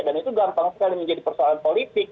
dan itu gampang sekali menjadi persoalan politik